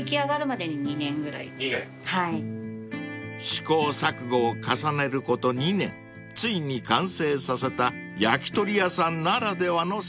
［試行錯誤を重ねること２年ついに完成させた焼き鳥屋さんならではのサンドイッチ］